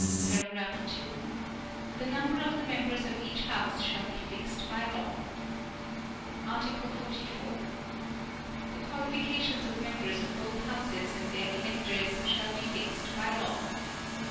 (2) The number of the members of each House shall be fixed by law. Article 44. The qualifications of members of both Houses and their electors shall be fixed by law.